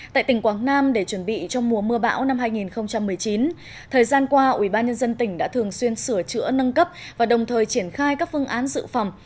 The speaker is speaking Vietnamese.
tại tỉnh quảng nam để chuẩn bị cho mùa mưa bão năm hai nghìn một mươi chín thời gian qua ubnd tỉnh đã thường xuyên sửa chữa nâng cấp và đồng thời triển khai các phương án dự phòng